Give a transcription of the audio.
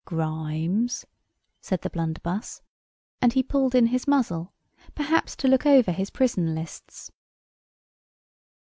"Grimes?" said the blunderbuss. And he pulled in his muzzle, perhaps to look over his prison lists.